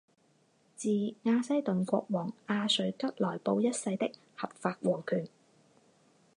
自雅西顿国王亚瑞吉来布一世的合法王权。